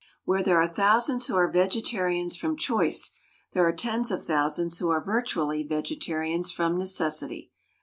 Where there are thousands who are vegetarians from choice, there are tens of thousands who are virtually vegetarians from necessity.